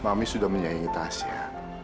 mami sudah menyayangi tasya